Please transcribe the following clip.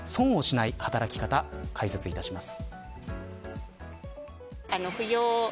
今日は、損をしない働き方解説いたします。